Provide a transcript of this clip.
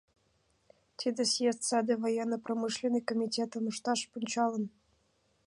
Тиде съезд саде Военно-промышленный комитетым ышташ пунчалын.